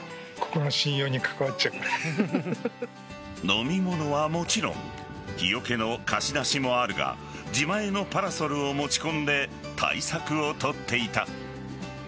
飲み物はもちろん日よけの貸し出しもあるが自前のパラソルを持ち込んで対策を取っていた。